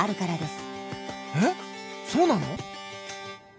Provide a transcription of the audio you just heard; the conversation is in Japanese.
えっそうなの？